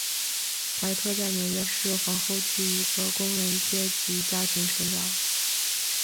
怀特在纽约市皇后区一个工人阶级家庭成长。